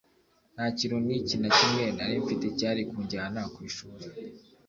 nta kintu n’iki na kimwe nari mfite cyari kunjyana ku ishuli